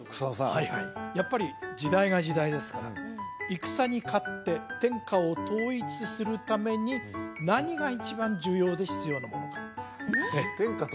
はいはいやっぱり時代が時代ですから戦に勝って天下を統一するために何が一番重要で必要なものか・天下統一